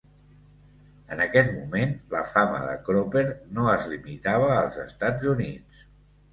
En aquest moment, la fama de Cropper no es limitava als Estats Units.